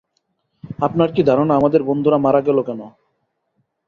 আপনার কি ধারনা আমাদের বন্ধুরা মারা গেল কেন?